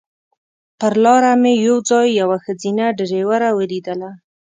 پر لاره مې یو ځای یوه ښځینه ډریوره ولیدله.